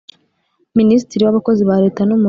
Minisitiri w Abakozi ba Leta n Umurimo